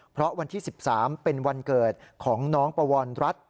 เพราะวันที่๑๓เป็นวันเกิดของน้องปวรรัฐ